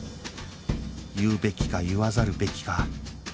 言うべきか言わざるべきか